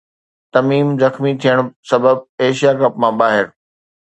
تميم زخمي ٿيڻ سبب ايشيا ڪپ مان ٻاهر